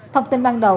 thông tin ban đầu